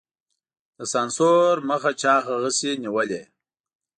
د سانسور مخه چا هغسې نېولې.